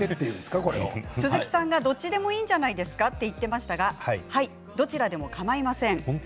鈴木さんが、どっちでもいいんじゃないですか？と言っていましたがはい、どちらでもかまいません。